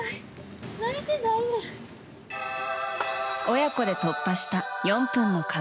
親子で突破した４分の壁。